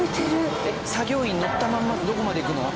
作業員乗ったまんまどこまで行くの？